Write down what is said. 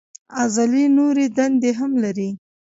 عضلې نورې دندې هم لري.